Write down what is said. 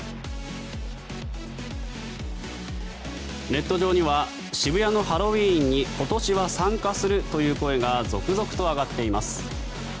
ネット上には渋谷のハロウィーンに今年は参加するという声が続々と上がっています。